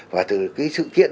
và từ cái sự kiện